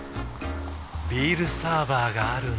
ビールサーバーがある夏。